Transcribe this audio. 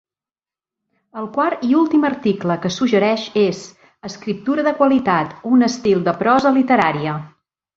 El quart i últim article que suggereix és "Escriptura de qualitat: un estil de prosa literària".